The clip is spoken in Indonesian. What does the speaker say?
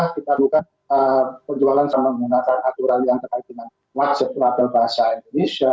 kita buka penjualan sama menggunakan aturan yang terkait dengan wajib label bahasa indonesia